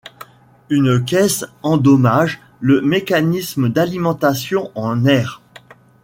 Une caisse endommage le mécanisme d'alimentation en air.